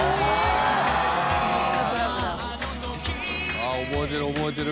ああ覚えてる覚えてる。